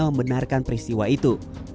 membenarkan peristiwa itu